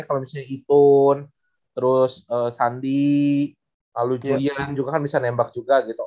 kalau misalnya iton terus sandi lalu julian juga kan bisa nembak juga gitu